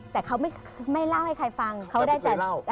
แต่เขาไม่เล่าให้ใครฟังแต่เคยเล่า